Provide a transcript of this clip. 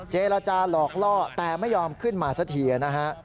เจรจาหลอกล่อแต่ไม่ยอมขึ้นมาสักทีนะฮะ